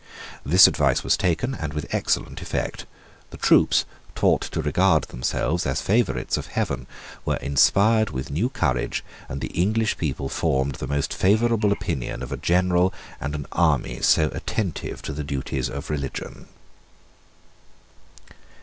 This advice was taken, and with excellent effect. The troops, taught to regard themselves as favourites of heaven, were inspired with new courage; and the English people formed the most favourable opinion of a general and an army so attentive to the duties of religion.